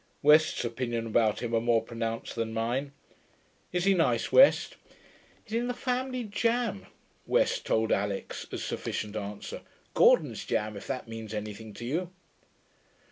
West's opinions about him are more pronounced than mine. Is he nice, West?' 'He's in the family jam,' West told Alix, as sufficient answer. 'Gordon's jam, if that means anything to you.'